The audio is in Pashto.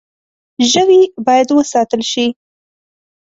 ژوی باید وساتل شي.